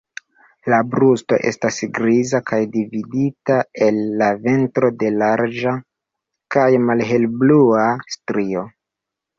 La brusto estas griza, kaj dividita el la ventro de larĝa kaj malhelblua strio.